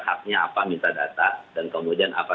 haknya apa minta data dan kemudian apa